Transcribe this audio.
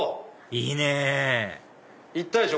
いいねぇいったでしょ